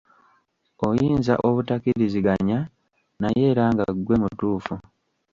Oyinza obuttakkiriziganya naye era nga ggwe mutuufu.